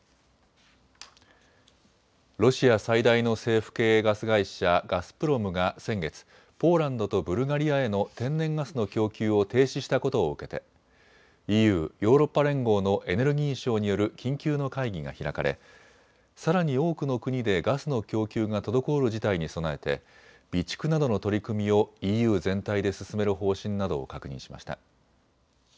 ロシア最大の政府系ガス会社ガスプロムが先月、ポーランドとブルガリアへの天然ガスの供給を停止したことを受けてＥＵ・ヨーロッパ連合のエネルギー相による緊急の会議が開かれさらに多くの国でガスの供給が滞る事態に備えて備蓄などの取り組みをＥＵ全体で進める方針などを確認しました。